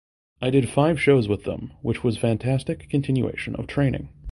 I did five shows with them which was fantastic continuation of training.